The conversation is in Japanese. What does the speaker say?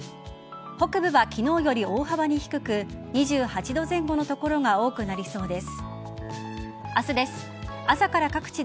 北部は昨日より大幅に低く２８度前後の所が多くなりそうです。